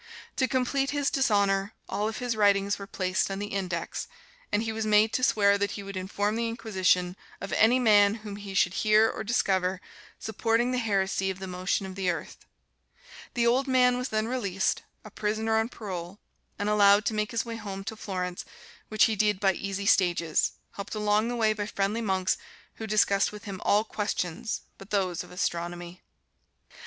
To complete his dishonor, all of his writings were placed on the "Index," and he was made to swear that he would inform the Inquisition of any man whom he should hear or discover supporting the heresy of the motion of the earth. The old man was then released, a prisoner on parole, and allowed to make his way home to Florence, which he did by easy stages, helped along the way by friendly monks who discussed with him all questions but those of astronomy.